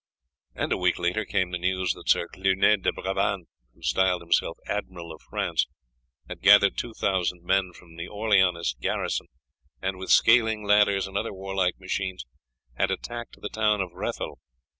A week later came the news that Sir Clugnet de Brabant, who styled himself Admiral of France, had gathered two thousand men from the Orleanist garrisons and, with scaling ladders and other warlike machines, had attacked the town of Rethel.